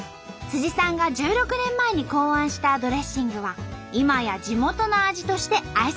さんが１６年前に考案したドレッシングは今や地元の味として愛されています。